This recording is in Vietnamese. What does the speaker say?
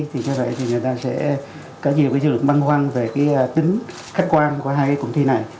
thì cho vậy thì người ta sẽ có nhiều dư luận băng hoang về tính khách quan của hai cuộc thi này